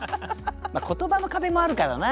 言葉の壁もあるからな。